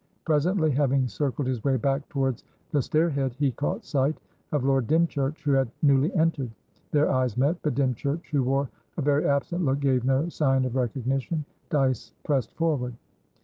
Presently, having circled his way back towards the stair head, he caught sight of Lord Dymchurch, who had newly entered; their eyes met, but Dymchurch, who wore a very absent look, gave no sign of recognition. Dyce pressed forward.